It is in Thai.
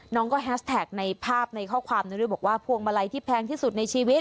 น้องก็หาชแทคภาพในข้อความนึกว่าโพงมะไรที่แพงที่สุดในชีวิต